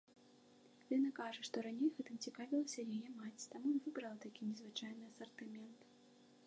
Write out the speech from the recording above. Лена кажа, што раней гэтым цікавілася яе маці, таму і выбрала такі незвычайны асартымент.